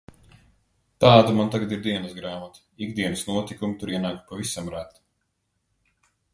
Tāda man tagad ir dienasgrāmata – ikdienas notikumi tur ienāk pavisam reti.